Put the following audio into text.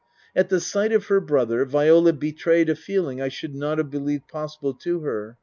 At the sight of her brother Viola betrayed a feeling I should not have believed possible to her.